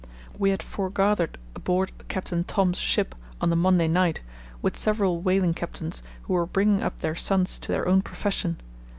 We had forgathered aboard Captain Thom's ship on the Monday night with several whaling captains who were bringing up their sons to their own profession.